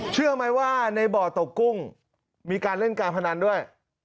เชื่อไหมว่าในบ่อตกกุ้งมีการเล่นการพนันด้วย